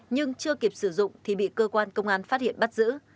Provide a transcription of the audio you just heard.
nhưng chưa kịp sử dụng thì bị cơ quan công an phát hiện bắt giữ